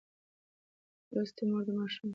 لوستې مور د ماشوم د خوړو تنوع ساتي.